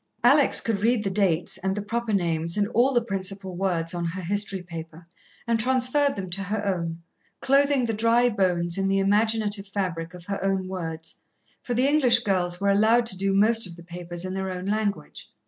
Alex could read the dates, and the proper names, and all the principal words on her history paper, and transferred them to her own, clothing the dry bones in the imaginative fabric of her own words, for the English girls were allowed to do most of the papers in their own language.